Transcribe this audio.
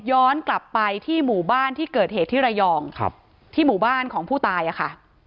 ย้อนกลับไปที่หมู่บ้านที่เกิดเหตุที่ระยองครับที่หมู่บ้านของผู้ตายอะค่ะ